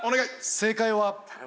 正解は。